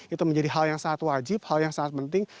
itu menjadi hal yang sangat wajib hal yang sangat penting